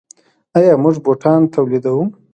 آیا موږ بوټان تولیدوو؟